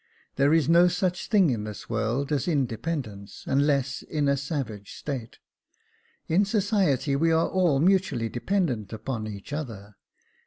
There is no such thing in this world as inde pendence, unless in a savage state. In society we are all mutually dependent upon each other.